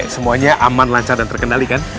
semuanya aman lancar dan terkendali kan